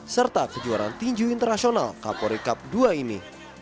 serta kejuaraan tinju internasional kapolri cup dua ini